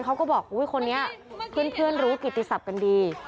เขาก็บอกคนนี้เพื่อนรู้กับกิจศพกันดี